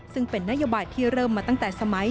ซึ่งเป็นนโยบายที่เริ่มมาตั้งแต่สมัย